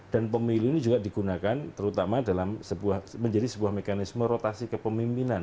dan pemilu ini juga digunakan terutama dalam menjadi sebuah mekanisme rotasi kepemimpinan